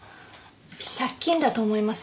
借金だと思います。